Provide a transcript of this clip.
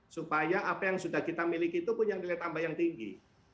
supaya apa yang sudah kita miliki itu punya nilai tambah yang tinggi